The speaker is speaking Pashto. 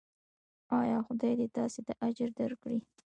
ایا خدای دې تاسو ته اجر درکړي؟